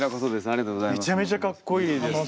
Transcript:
めちゃめちゃかっこいいです。